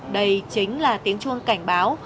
đây chính là tiếng chuông cảnh báo